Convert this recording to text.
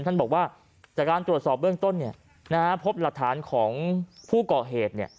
ท่านบอกว่าจากการตรวจสอบเบื้องต้นพบหลักฐานของผู้ก่อเหตุ